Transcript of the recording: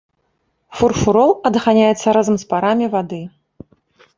Фурфурол адганяецца разам з парамі вады.